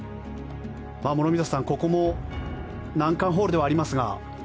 諸見里さん、ここも難関ホールではありますが。